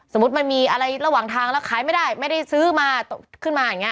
มันมีอะไรระหว่างทางแล้วขายไม่ได้ไม่ได้ซื้อมาขึ้นมาอย่างนี้